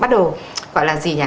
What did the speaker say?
bắt đầu gọi là gì nhỉ